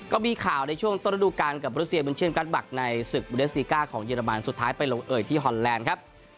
ก็มีข่าวในช่วงต้นฤดูการกับบริเซียบุญเชียนกัสบักในศึกบูเดสซีก้าของเยอรมันสุดท้ายไปลงเอ่ยที่ฮอนแลนด์ครับ